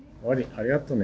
ありがとね。